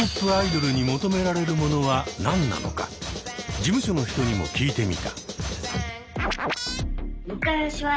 事務所の人にも聞いてみた。